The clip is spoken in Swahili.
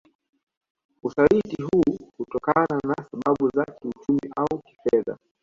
Usaliti huu hunatokana na sababu za kiuchumi au kifedha